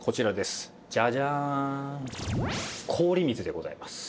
氷水でございます。